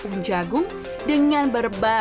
untuk ke uwangan masak